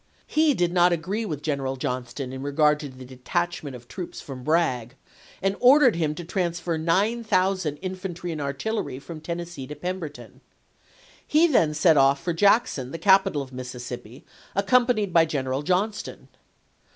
He did not agree with General Johnston in regard to the detachment of troops from Bragg, and ordered him to transfer nine thousand infantry and artillery from Tennessee to Pemberton. He then set off for Jackson, the capital of Mississippi, accompanied by General Johnston.